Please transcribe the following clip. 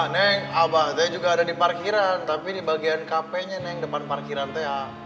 neng abah saya juga ada di parkiran tapi di bagian kp nya neng depan parkiran ta